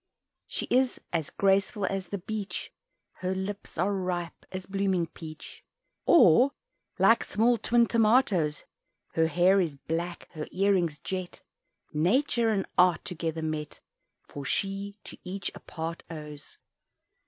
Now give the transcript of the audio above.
She is as graceful as the beech Her lips are ripe as blooming peach, Or like small twin tomatoes; Her hair is black, her earrings jet, Nature and art together met For she to each a part owes.